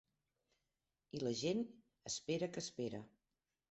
I la gent, espera que espera.